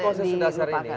empat kondisi dasar ini